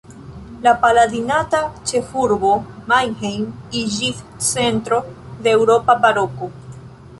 La palatinata ĉefurbo Mannheim iĝis centro de eŭropa baroko.